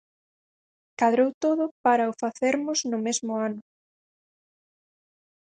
Cadrou todo para o facermos no mesmo ano.